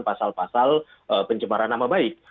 pasal pasal pencemaran nama baik